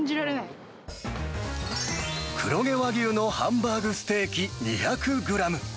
黒毛和牛のハンバーグステーキ２００グラム。